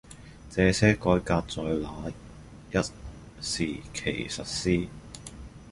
這些改革在那一時期實施